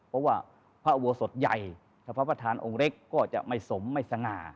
เพราะว่าพระอุโบสถใหญ่ถ้าพระประธานองค์เล็กก็จะไม่สมไม่สง่า